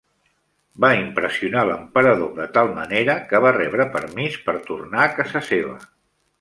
Va impressionar l'emperador de tal manera que va rebre permís per tornar a casa seva.